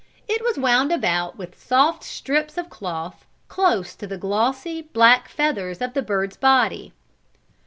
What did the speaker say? It was wound about with soft strips of cloth close to the glossy, black feathers of the bird's body.